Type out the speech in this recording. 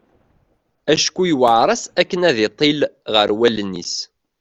Acku yuɛer-as akke ad iṭil ɣer wallen-is.